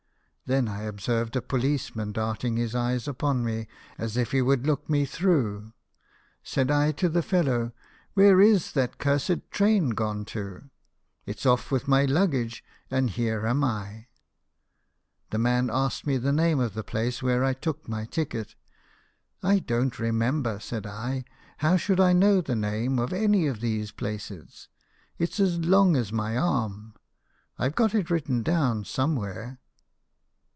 Then I ob served a policeman darting his eyes upon me, as if he would look me through. Said I to the fellow, 'Where is that cursed train gone to? JOHN GIBSON, SCULPTOR. 85 It's off with my luggage and here am I.' The man asked me the name of the place where I took my ticket. ' I don't remember,' said I. ' How should I know the name of any of these places ? it's as long as my arm. I've got it written down somewhere.'